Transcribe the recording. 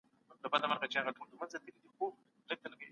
خو د ژبې څرنګوالي